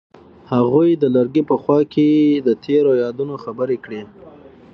هغوی د لرګی په خوا کې تیرو یادونو خبرې کړې.